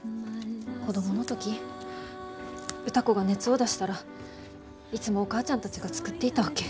子供の時歌子が熱を出したらいつもお母ちゃんたちが作っていたわけ。